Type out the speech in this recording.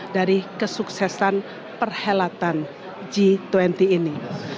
dari kesuksesan perhelatan g dua puluh ini